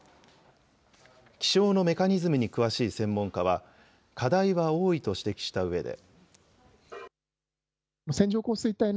気象のメカニズムに詳しい専門家は、課題は多いと指摘したうえで。